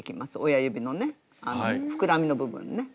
親指のね膨らみの部分ね。